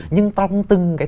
nhưng trong từng cái